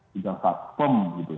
sudah satpong gitu